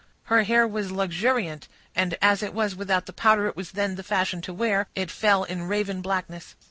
Her hair was luxuriant, and as it was without the powder it was then the fashion to wear, it fell in raven blackness.